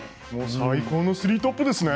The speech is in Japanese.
最高のスリートップですね。